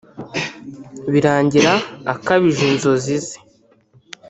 birangira akabije inzozi ze